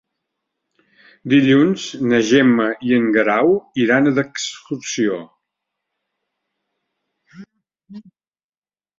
Dilluns na Gemma i en Guerau iran d'excursió.